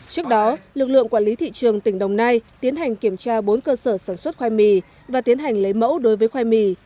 trước đó lực lượng quản lý thị trường tỉnh đồng nai tiến hành kiểm tra bốn cơ sở sản xuất khoai mì và tiến hành lấy mẫu đối với khoai mì